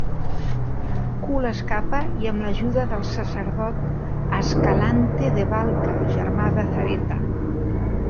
Kull escapa i amb l'ajuda del sacerdot Ascalante de Valka, germà de Zareta.